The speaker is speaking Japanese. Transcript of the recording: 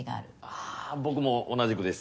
あぁ僕も同じくです。